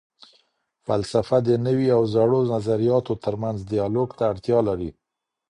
فلسفه د نوي او زړو نظریاتو تر منځ دیالوګ ته اړتیا لري.